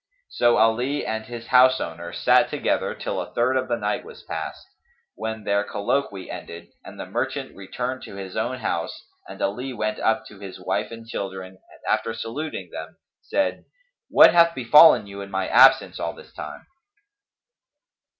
So Ali and his house owner sat together till a third of the night was past, when their colloquy ended and the merchant returned to his own house and Ali went up to his wife and children and after saluting them, said, "What hath befallen you in my absence all this time?"